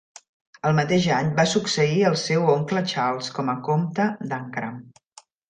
El mateix any, va succeir el seu oncle Charles com a comte d'Ancram.